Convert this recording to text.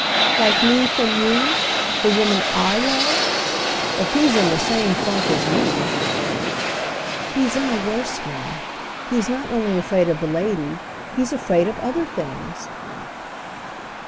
"Like me from you—the woman I love? If he's in the same funk as me—" "He's in a worse one. He's not only afraid of the lady—he's afraid of other things."